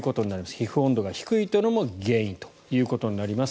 皮膚温度が低いというのも原因となります。